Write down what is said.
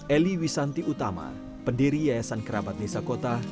eli wisanti utama pendiri yayasan kerabat desa kota